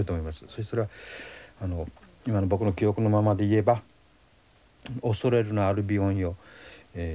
そうしたら今の僕の記憶のままで言えば「恐れるなアルビオンよ。